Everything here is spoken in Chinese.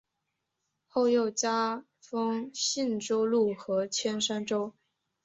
后又加封信州路和铅山州。